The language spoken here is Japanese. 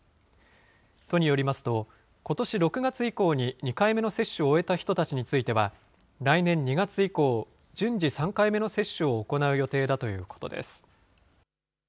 都によりますと、ことし６月以降に２回目の接種を終えた人たちについては、来年２月以降、順次３回目の接種を行う予定だということです。